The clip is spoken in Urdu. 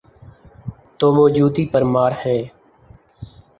تو وہ جوتی پرمار ہیں۔